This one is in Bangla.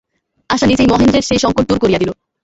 আশা নিজেই মহেন্দ্রের সে সংকট দূর করিয়া দিল।